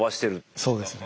そうですね。